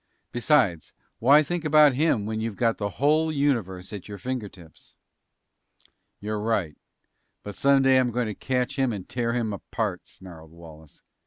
Besides, why think about him, when you've got the whole universe at your finger tips?" "You're right. But someday I'm going to catch him and tear him apart!" snarled Wallace.